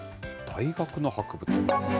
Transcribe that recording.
大学の博物館？